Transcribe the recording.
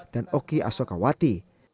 dan oki asokawati